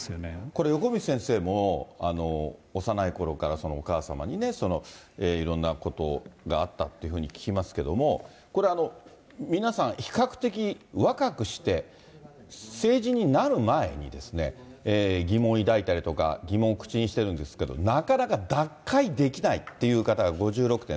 これ、横道先生も、幼いころからお母様にね、いろんなことがあったっていうふうに聞きますけども、皆さん、比較的若くして、成人になる前に疑問を抱いたりとか、疑問を口にしてるんですけど、なかなか脱会できないっていう方が５６．３％。